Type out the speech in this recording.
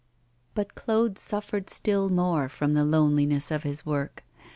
But Claude suffered still more from the loneliness of his work.